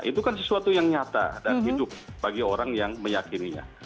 itu kan sesuatu yang nyata dan hidup bagi orang yang meyakininya